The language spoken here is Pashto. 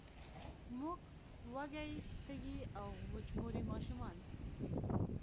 موږ وږې، تږې او، وچموري ماشومان